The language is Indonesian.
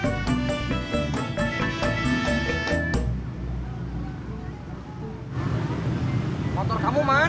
surya notifiesan pengantin